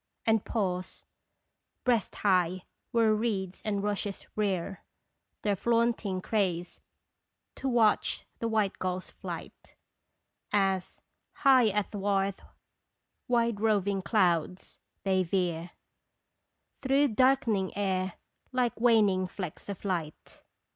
And pause, breast high, where reeds and rushes rear Their flaunting craze, to watch the white gulls' flight, As, high athwart wide roving clouds, they veer Through darkening air, like waning flecks of light.